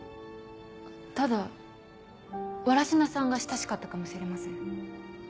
ただ藁科さんが親しかったかもしれません。